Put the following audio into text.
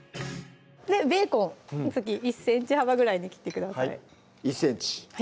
ベーコン次１ｃｍ幅ぐらいに切ってください